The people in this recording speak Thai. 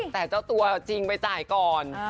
แต่เจ้าตัวจริงไปจ่ายก่อน